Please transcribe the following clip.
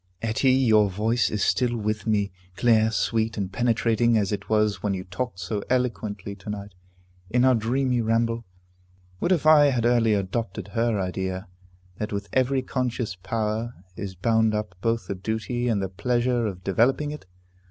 Etty, your voice is still with me, clear, sweet, and penetrating, as it was when you talked so eloquently to night, in our dreamy ramble. What if I had early adopted her idea, that with every conscious power is bound up both the duty and the pleasure of developing it?